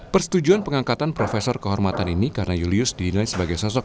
persetujuan pengangkatan profesor kehormatan ini karena julius dinilai sebagai sosok